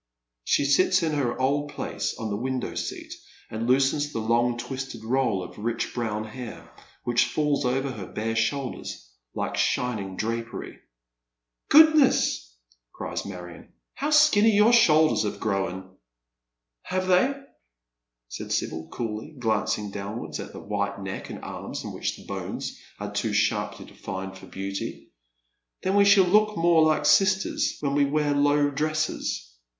She sits in her old place on the window seat, and loosens the long twisted roll of rich brown hair, which falls over her bare shoulders like shining drapery. " Goodness I " cries Marion, " how skinny your shoulders have grown !" "Have they?" says Sibyl, coolly, glancing downwards at a white neck and arms in which the bones are too sharply defined for beauty. " Then we shall look more Uke sisters when we wear low dresses.